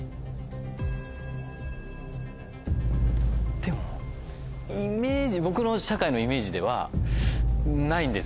でも僕の社会のイメージではないんですよね。